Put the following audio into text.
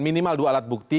minimal dua alat bukti